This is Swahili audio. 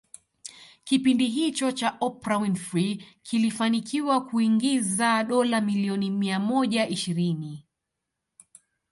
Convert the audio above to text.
Kipindi hicho cha Oprah Winfrey kilifanikiwa kuingiza dola milioni mia moja ishirini